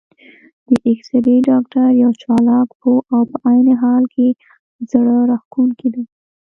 د اېکسرې ډاکټر یو چالاک، پوه او په عین حال کې زړه راښکونکی و.